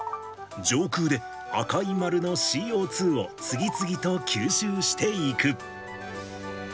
上空で赤い丸のＣＯ２を次々と吸収していく。